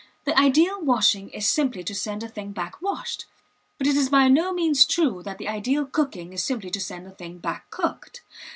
The ideal washing is simply to send a thing back washed. But it is by no means true that the ideal cooking is simply to send a thing back cooked.